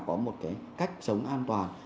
có một cách sống an toàn